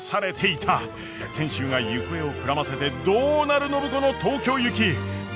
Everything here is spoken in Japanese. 賢秀が行方をくらませてどうなる暢子の東京行き。